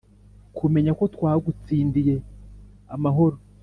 kumenya ko twagutsindiye amahoro!